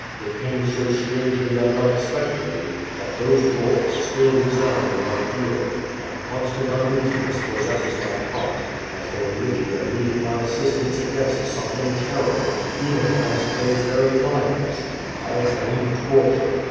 It came so strangely and unexpectedly, that those roars still re sound in my ear, and constant uneasiness possess my heart, as though Lygia needed my assistance against something ter rible, even against those very lions. 1 am in torture.